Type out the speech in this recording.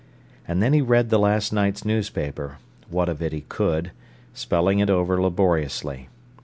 And then he read the last night's newspaper—what of it he could—spelling it over laboriously.